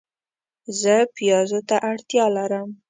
زه پیازو ته اړتیا لرم